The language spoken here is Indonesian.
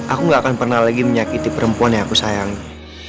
aku gak akan pernah lagi menyakiti perempuan yang aku sayangin